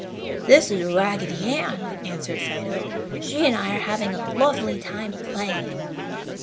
"This is Raggedy Ann," answered Fido. "She and I are having a lovely time playing."